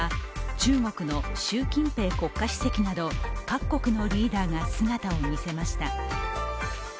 中国の習近平国家主席など各国のリーダーが姿を見せました。